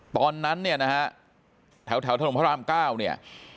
ตอนนั้นเนี่ยนะฮะแถวถนนพระราม๙เนี่ย